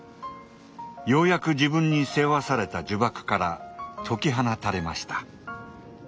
ようやく自分に背負わされた呪縛から解き放たれました。